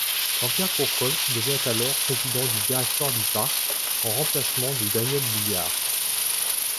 Jean-Pierre Courcol devient alors président du directoire du Parc, en remplacement de Daniel Bulliard.